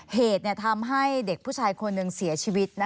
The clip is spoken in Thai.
เหตุทำให้เด็กผู้ชายคนหนึ่งเสียชีวิต